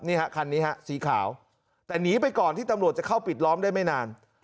นี่ฮะคันนี้ฮะสีขาวแต่หนีไปก่อนที่ตำรวจจะเข้าปิดล้อมได้ไม่นาน